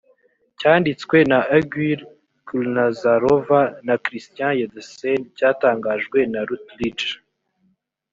cyanditswe na aigul kulnazarova na christian ydesen cyatangajwe na routledge